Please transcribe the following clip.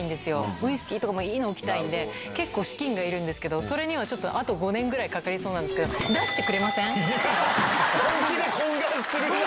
ウイスキーとかいいの置きたいんで、結構資金がいるんですけど、それにはちょっとあと５年くらいかかりそうなんですけど、出して本気で懇願するな。